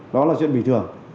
đó là chuyện bình thường